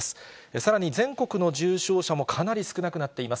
さらに全国の重症者もかなり少なくなっています。